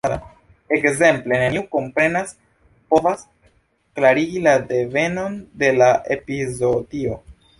Ekzemple: neniu komprenas, povas klarigi la devenon de la epizootio.